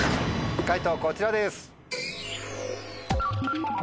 解答こちらです。